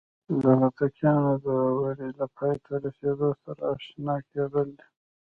د هوتکیانو د دورې له پای ته رسیدو سره آشنا کېدل دي.